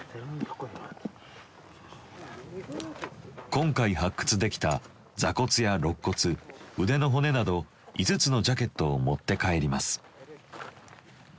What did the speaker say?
今回発掘できた座骨やろっ骨腕の骨など５つのジャケットを持って帰ります。